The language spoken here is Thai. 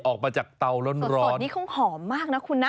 ออกมาจากเตาร้อนคุณคะสดนี้คงหอมมากนะคุณนะ